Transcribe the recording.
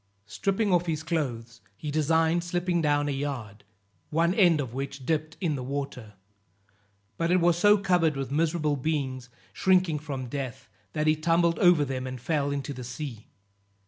Stripping off his clothes, he designed slipping down a yard, one end of which dipped in the water; but it was so covered with miserable beings, shrinking from death, that he tumbled over them and fell into the sea.